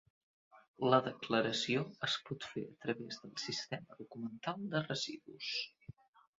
La declaració es pot fer a través del Sistema Documental de Residus.